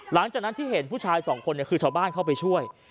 หลังจากนั้นที่เห็นผู้ชายสองคนคือชาวบ้านเข้าไปช่วย